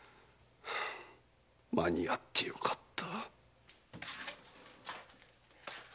間にあってよかった。